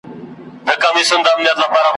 موږ ئې پوره ساتونکي يو.